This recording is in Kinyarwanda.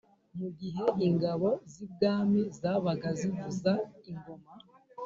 Mu gihe ingabo z’ i Bwami zabaga zivuza ingoma